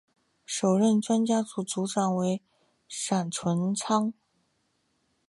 首任专家组组长为闪淳昌。